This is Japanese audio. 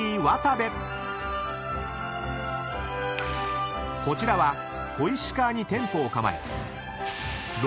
［こちらは小石川に店舗を構え］